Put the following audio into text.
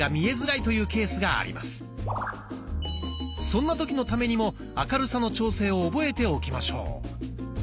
そんな時のためにも明るさの調整を覚えておきましょう。